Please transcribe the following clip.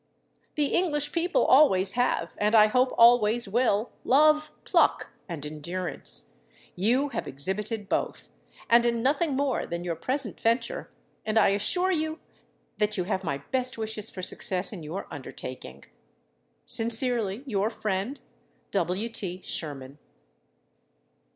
The English people always have, and I hope always will love pluck and endurance. You have exhibited both, and in nothing more than your present venture, and I assure you that you have my best wishes for success in your undertaking. Sincerely your friend, W. T. SHERMAN.